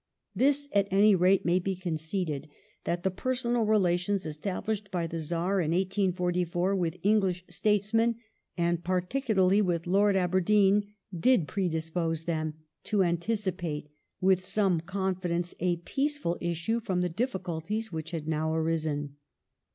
This at any rate may be conceded, that the personal relations established by the Czar in 1844 with English statesmen, and particularly with Lord Aberdeen, did predispose them to anticipate with some confidence a peaceful issue from the difficulties which had now arisen.